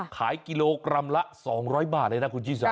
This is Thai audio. ขายกิโลกรัมละ๒๐๐บาทเลยนะคุณชิสา